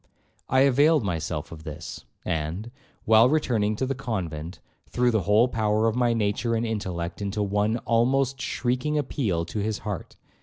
I availed myself of this, and, while returning to the convent, threw the whole power of my nature and intellect into one (almost) shrieking appeal to his heart.